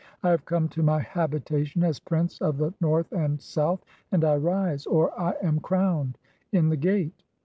I have come to my habitation (10) as prince of the "North and South, and I rise (or I am crowned) in the gate.